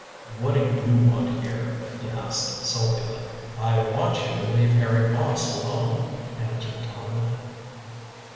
"What do you want here?" he asked sulkily. "I want you to leave Harry Moss alone," answered Tom.